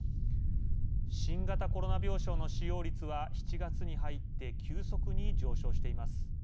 新型コロナ病床の使用率は７月に入って急速に上昇しています。